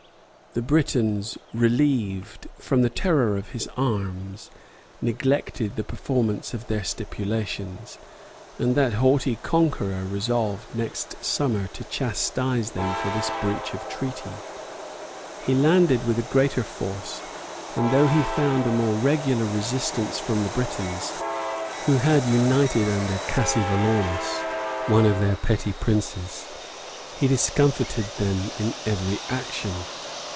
The Britons relieved, from the terror of his arms, neglected the performance of their stipulations; and that haughty conqueror resolved next summer to chastise them for this breach of treaty. He landed with a greater force; and though he found a more regular resistance from the Britons, who had united under Cassivelaunus, one of their petty princes, he discomfited them in every action.